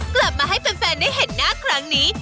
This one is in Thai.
กลับมาให้แฟนได้เห็นหน้าครั้งนี้